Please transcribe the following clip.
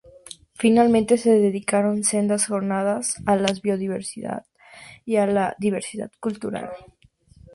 Finalmente, se dedicaron sendas jornadas a la biodiversidad y a la diversidad cultural.